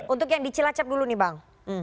untuk yang di cilacap dulu nih bang